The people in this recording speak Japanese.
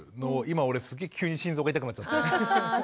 今俺すげえ急に心臓が痛くなっちゃって。